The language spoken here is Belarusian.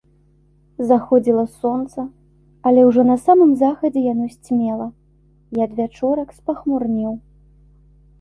Заходзіла сонца, але ўжо на самым захадзе яно сцьмела, і адвячорак спахмурнеў.